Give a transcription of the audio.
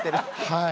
はい。